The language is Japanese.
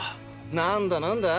何だ何だァ？